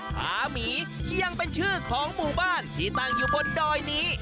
ผาหมียังเป็นชื่อของหมู่บ้านที่ตั้งอยู่บนดอยนี้